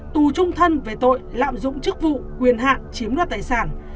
tù trung thân về tội lạm dụng chức vụ quyền hạn chiếm đoạt tài sản